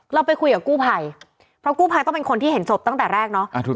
เราไปคุยกับกู้ภัยเพราะกู้ภัยต้องเป็นคนที่เห็นศพตั้งแต่แรกเนาะ